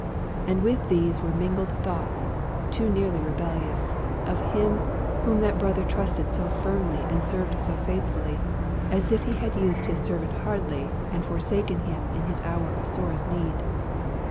And with these were mingled thoughts, too nearly rebellious, of Him whom that brother trusted so firmly and served so faithfully; as if he had used his servant hardly, and forsaken him in his hour of sorest need.